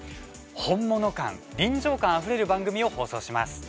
本物感、臨場感あふれる番組を放送します。